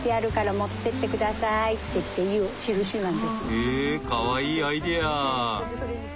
へえかわいいアイデア。